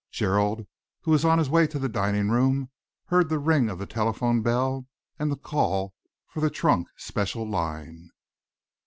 Gerald, who was on his way to the dining room, heard the ring of the telephone bell and the call for the trunk special line.